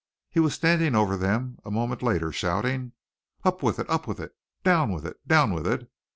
He was standing over them a moment later shouting, "Up with it! Up with it! Down with it! Down with it!"